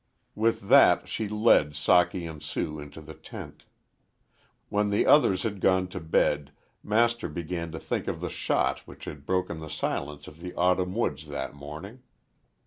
With that she led Socky and Sue into the tent. When the others had gone to bed Master began to think of the shot which had broken the silence of the autumn woods that morning.